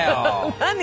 何？